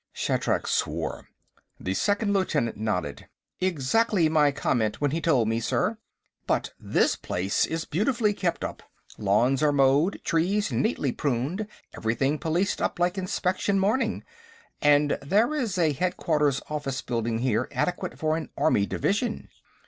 Shatrak swore. The second lieutenant nodded. "Exactly my comment when he told me, sir. But this place is beautifully kept up. Lawns all mowed, trees neatly pruned, everything policed up like inspection morning. And there is a headquarters office building here adequate for an army division...."